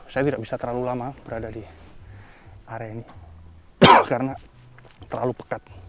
saya tidak bisa terlalu lama berada di area ini karena terlalu pekat